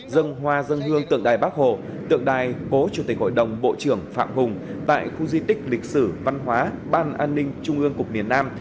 dân hoa dân hương tượng đài bắc hồ tượng đài cố chủ tịch hội đồng bộ trưởng phạm hùng tại khu di tích lịch sử văn hóa ban an ninh trung ương cục miền nam